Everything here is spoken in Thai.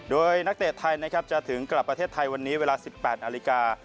โดยนักเตะไทยนะครับจะถึงกลับประเทศไทยวันนี้เวลา๑๘นาฬิกา